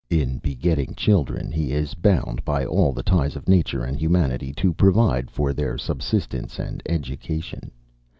In begetting children, he is bound, by all the ties of nature and humanity, to provide for their subsistence and education.